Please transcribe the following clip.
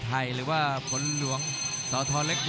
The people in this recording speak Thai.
ถ่ายเพราะว่าเป็นครูมวยด้วยยังได้รับการสนับสนุน